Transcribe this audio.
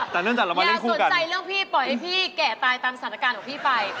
แต่เรื่องแต่ละวันอย่าสนใจเรื่องพี่ปล่อยให้พี่แกะตายตามสถานการณ์ของพี่ไป